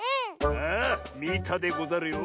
ああみたでござるよ。